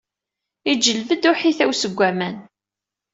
Ijelleb-d uḥitaw seg waman.